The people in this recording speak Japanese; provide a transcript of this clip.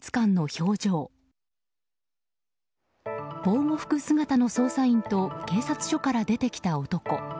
防護服姿の捜査員と警察署から出てきた男。